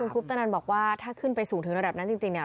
คุปตนันบอกว่าถ้าขึ้นไปสูงถึงระดับนั้นจริงเนี่ย